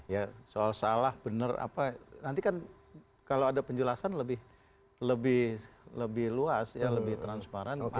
ya soal salah benar apa nanti kan kalau ada penjelasan lebih luas ya lebih transparan